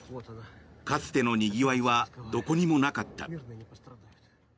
かつてのにぎわいはどこにもなかった。